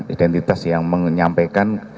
identitas yang menyampaikan